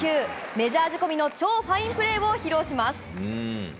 メジャー仕込みの超ファインプレーを披露します。